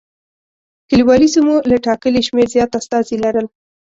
کلیوالي سیمو له ټاکلي شمېر زیات استازي لرل.